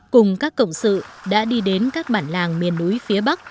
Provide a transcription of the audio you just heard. cùng các cộng sự đã đi đến các bản làng miền núi phía bắc